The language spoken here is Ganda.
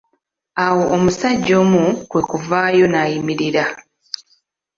Awo omusajja omu kwekuvaayo n'ayimirira.